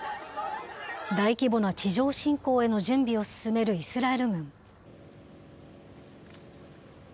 大規模な地上侵攻への準備を進めるイスラエル軍。